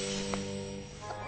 あっ！